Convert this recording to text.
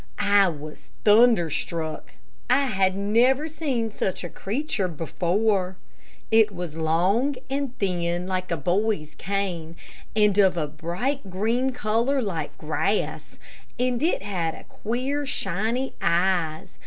I was thunderstruck. I had never seen such a creature before. It was long and thin like a boy's cane, and of a bright green color like grass, and it had queer shiny eyes.